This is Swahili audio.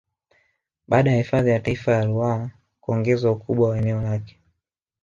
Baada ya hifadhi ya Taifa ya Ruaha kuongezwa ukubwa wa eneo lake